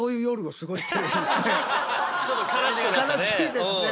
ちょっと悲しくなるね。